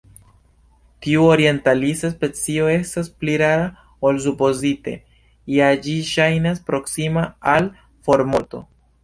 Tiu orientalisa specio estas pli rara ol supozite; ja ĝi ŝajnas proksima al formorto.